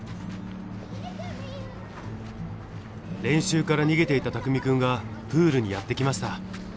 練習から逃げていた拓美くんがプールにやって来ました。